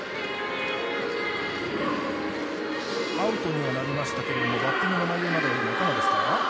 アウトにはなりましたけどもバッティングの内容いかがですか？